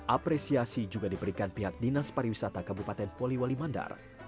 apresiasi juga diberikan pihak dinas pariwisata kabupaten poliwali mandar